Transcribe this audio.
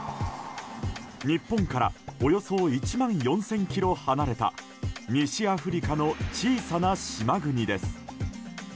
日本からおよそ１万４０００ｋｍ離れた西アフリカの小さな島国です。